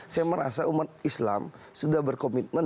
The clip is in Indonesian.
saya merasa umat islam sudah berkomitmen